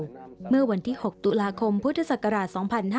เก็บน้ำเขาเต่าเมื่อวันที่๖ตุลาคมพุทธศักราช๒๕๔๔